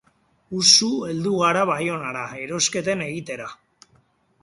Usu heldu gara Baionara erosketen egitera.